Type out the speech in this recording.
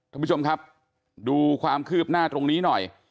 ท่านผู้ชมครับดูความคืบหน้าตรงนี้หน่อย